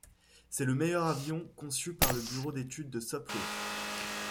C'est le meilleur avion conçu par le bureau d'études de Sopwith.